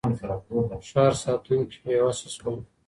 ښار ساتونکي بېوسه شول.